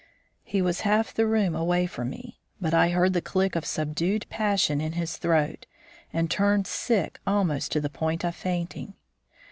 He was half the room away from me, but I heard the click of subdued passion in his throat, and turned sick almost to the point of fainting.